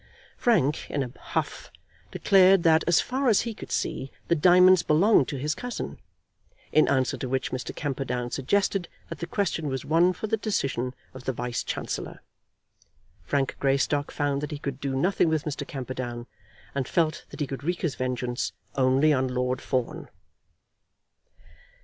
Frank, in a huff, declared that, as far as he could see, the diamonds belonged to his cousin; in answer to which Mr. Camperdown suggested that the question was one for the decision of the Vice Chancellor. Frank Greystock found that he could do nothing with Mr. Camperdown, and felt that he could wreak his vengeance only on Lord Fawn.